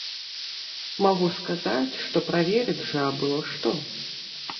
Магу сказаць, што праверыць жа было што.